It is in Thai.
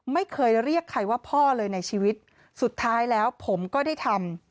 ไม่เคยเรียกใครว่าพ่อเลยในชีวิตสุดท้ายแล้วผมก็ได้ทำ